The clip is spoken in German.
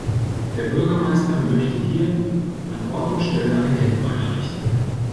Der Bürgermeister möchte hier an Ort und Stelle ein Denkmal errichten.